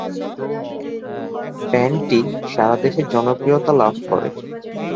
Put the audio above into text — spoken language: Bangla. ব্যান্ডটি সারা দেশে জনপ্রিয়তা লাভ করে।